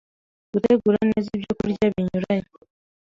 Gutegura neza ibyokurya binyuranye —